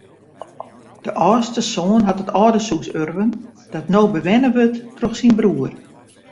De âldste soan hat it âldershûs urven dat no bewenne wurdt troch syn broer.